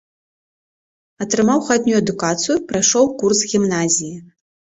Атрымаў хатнюю адукацыю, прайшоў курс гімназіі.